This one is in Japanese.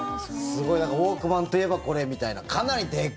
ウォークマンといえばこれみたいな。